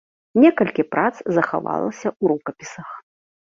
Некалькі прац захавалася ў рукапісах.